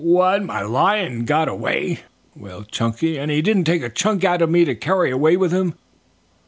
"What, my lion got away?" wailed Chunky. "And he didn't take a chunk out of me to carry away with him?"